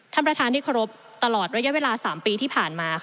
ท่านประธานที่เคารพตลอดระยะเวลา๓ปีที่ผ่านมา